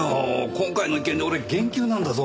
今回の件で俺減給なんだぞ。